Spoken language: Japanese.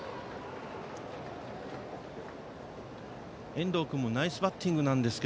遠藤君もナイスバッティングですが